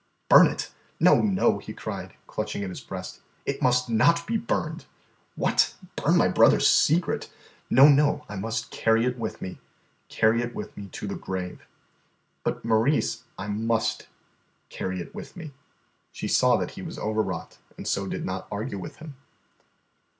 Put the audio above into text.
"Burn it? No, no," he cried, clutching at his breast. "It must not be burned. What! burn my brother's secret? No, no, I must carry it with me, carry it with me to the grave." "But, Maurice " "I must carry it with me." She saw that he was overwrought, and so did not argue with him.